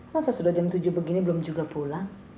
masa sudah jam tujuh begini belum juga pulang